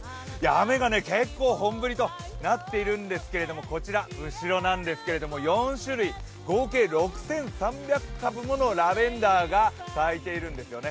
雨が結構、本降りとなっているんですけれどもこちら後ろなんですけれども、４種類合計６３００株ものラベンダーが咲いているんですよね。